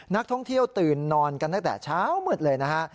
นักท่องเที่ยวตื่นนอนกันตั้งแต่เช้ามืดเลยนะฮะ